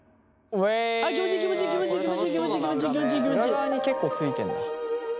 裏側に結構ついてんだ。